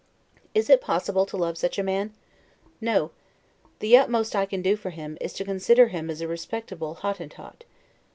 Is it possible to love such a man? No. The utmost I can do for him, is to consider him as a respectable Hottentot.